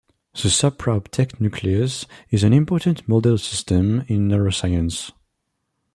The supraoptic nucleus is an important "model system" in neuroscience.